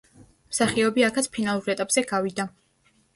მსახიობი აქაც ფინალურ ეტაპზე გავიდა.